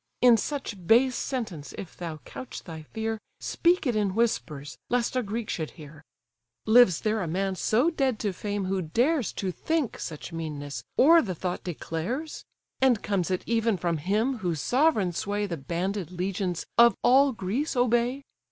In such base sentence if thou couch thy fear, Speak it in whispers, lest a Greek should hear. Lives there a man so dead to fame, who dares To think such meanness, or the thought declares? And comes it even from him whose sovereign sway The banded legions of all Greece obey?